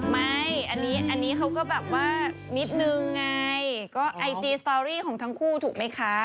ไม่อันนี้เขาก็แบบว่านิดนึงไงก็ไอจีสตอรี่ของทั้งคู่ถูกไหมคะ